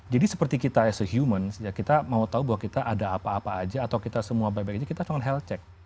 jadi seperti kita as a human kita mau tahu bahwa kita ada apa apa aja atau kita semua baik baik aja kita harus melakukan health check